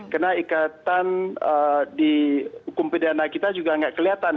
karena ikatan di hukum pidana kita juga tidak kelihatan